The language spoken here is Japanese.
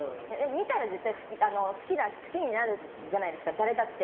見たら絶対好きになるじゃないですか誰だって。